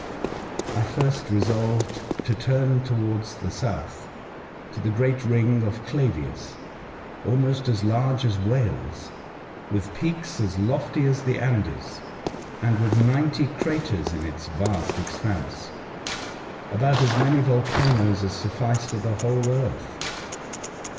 I first resolved to turn towards the south, to the great ring of Clavius, — almost as large as Wales, with peaks as lofty as the Andes, and with ninety craters in its vast expanse, — about as many volcanoes as sufl&ce for the whole earth.